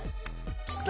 きた！